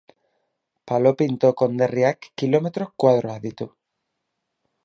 Palo Pinto konderriak kilometro koadro ditu.